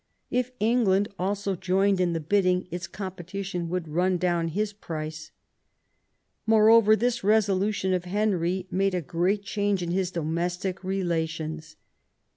If England also joined in the bidding its competition would run down his price. Moreover, this resolution of Henry made a great change in his domestic relations.